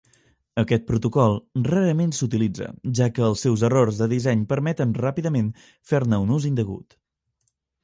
Aquest protocol rarament s'utilitza, ja que els seus errors de disseny permeten ràpidament fer-ne un ús indegut.